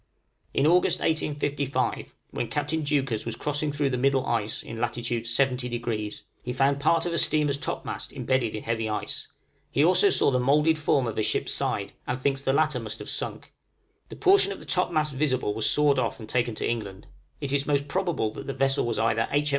{ARCTIC HAIRBREADTH ESCAPES.} In August, 1855, when Captain Deuchars was crossing through the middle ice, in latitude 70°, he found part of a steamer's topmast embedded in heavy ice; he also saw the moulded form of a ship's side, and thinks the latter must have sunk; the portion of the topmast visible was sawed off and taken to England. It is most probable that the vessel was either H.